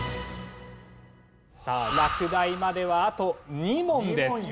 さあ落第まではあと２問です。